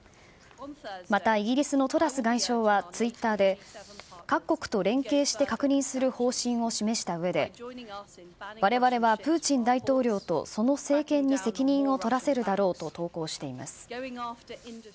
またイギリスのトラス外相はツイッターで、各国と連携して確認する方針を示したうえで、われわれはプーチン大統領とその政権に責任を取らせるだろうと投稿しています。